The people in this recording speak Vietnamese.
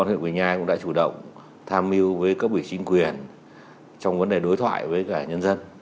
quỳnh nhai cũng đã chủ động tham mưu với các vị chính quyền trong vấn đề đối thoại với cả nhân dân